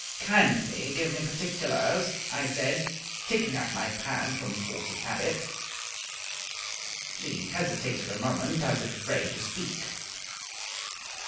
"Kindly give me particulars," I said, taking out my pad from force of habit. She hesitated a moment, as if afraid to speak.